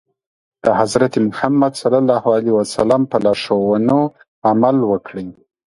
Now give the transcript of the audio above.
د حضرت محمد ص په لارښوونو عمل وکړي.